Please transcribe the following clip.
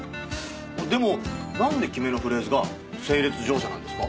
でもなんで決めのフレーズが「整列乗車」なんですか？